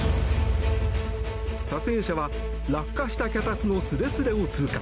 撮影者は落下した脚立のすれすれを通過。